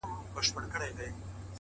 ایله چي په امان دي له واسکټه سوه وګړي٫